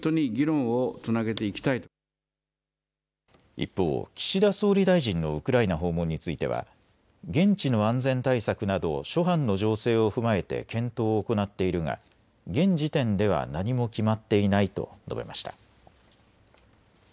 一方、岸田総理大臣のウクライナ訪問については現地の安全対策など諸般の情勢を踏まえて検討を行っているが現時点では何も決まっていないと述べました。